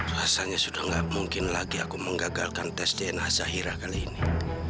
rasanya sudah tidak mungkin lagi aku menggagalkan tes dna sahira kali ini